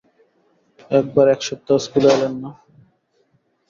একবার এক সপ্তাহ স্কুলে এলেন না।